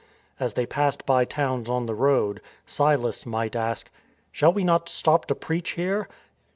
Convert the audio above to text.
As they passed by towns on the road, Silas might ask: *' Shall we not stop to preach here?